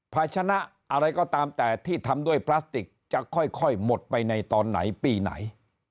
ภาชนะอะไรก็ตามแต่ที่ทำด้วยพลาสติกจะค่อยหมดไปในตอนไหนปีไหน